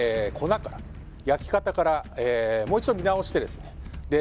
粉から焼き方からもう一度見直してですね